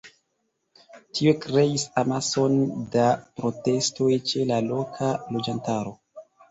Tio kreis amason da protestoj ĉe la loka loĝantaro.